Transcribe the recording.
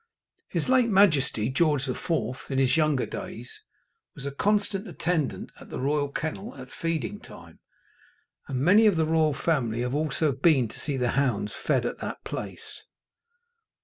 His late Majesty George IV., in his younger days, was a constant attendant at the royal kennel at feeding time, and many of the royal family have also been to see the hounds fed at that place.